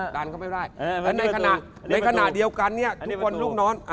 และในขณะเดียวกันทุกคนรูปนอน